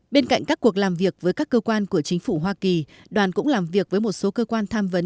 bên cạnh các cuộc làm việc với các cơ quan của chính phủ hoa kỳ đoàn cũng làm việc với một số cơ quan tham vấn